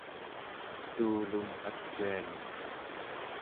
estuulum acianun